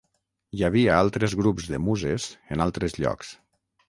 Hi havia altres grups de muses en altres llocs.